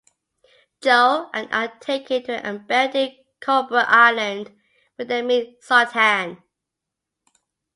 Joe and are taken to an abandoned Cobra Island, where they meet Zartan.